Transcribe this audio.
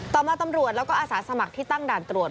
ต่อมาตำรวจแล้วก็อาสาสมัครที่ตั้งด่านตรวจ